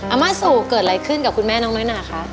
อาม่าสูปเกิดอะไรกับคุณแม่น้องน้อยนาคะ